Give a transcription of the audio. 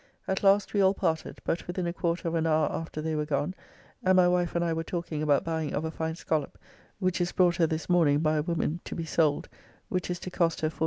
At last we all parted, but within a quarter of an hour after they were gone, and my wife and I were talking about buying of a fine scallop which is brought her this morning by a woman to be sold, which is to cost her 45s.